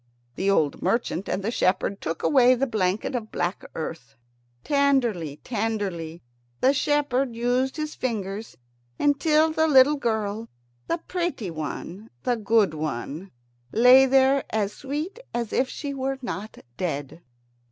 The old merchant and the shepherd took away the blanket of black earth. Tenderly, tenderly the shepherd used his fingers, until the little girl, the pretty one, the good one, lay there as sweet as if she were not dead.